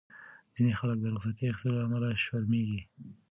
ځینې خلک د رخصتۍ اخیستو له امله شرمېږي.